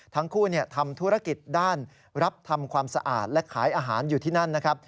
ทั้งคู่ทำธุรกิจด้านรับทำความสะอาดและขายอาหารอยู่ที่นั่นนะครับ